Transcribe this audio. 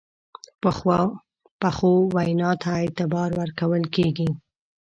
پخو وینا ته اعتبار ورکول کېږي